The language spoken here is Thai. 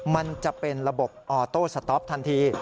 มันจะเป็นระบบออโต้สต๊อปทันที